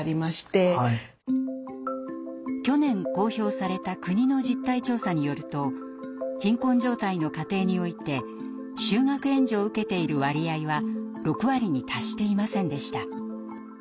去年公表された国の実態調査によると貧困状態の家庭において就学援助を受けている割合は６割に達していませんでした。